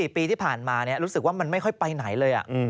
๔ปีที่ผ่านมารู้สึกว่ามันไม่ค่อยไปไหนเลย